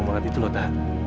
gak ada di kamarnya